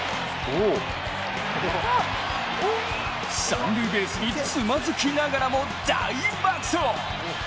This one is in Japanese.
三塁ベースにつまずきながらも大爆走。